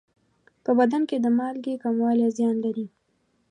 په بدن کې د مالګې کموالی زیان لري.